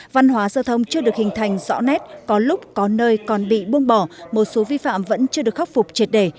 văn hóa giao thông chưa được hình thành rõ nét có lúc có nơi còn bị buông bỏ một số vi phạm vẫn chưa được khắc phục triệt đề